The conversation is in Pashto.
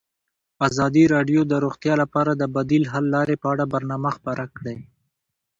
ازادي راډیو د روغتیا لپاره د بدیل حل لارې په اړه برنامه خپاره کړې.